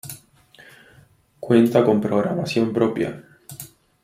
Cuenta con programación propia.